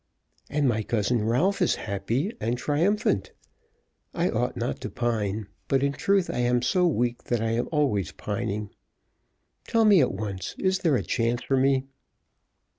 "And my cousin Ralph is happy and triumphant. I ought not to pine, but in truth I am so weak that I am always pining. Tell me at once, is there a chance for me?"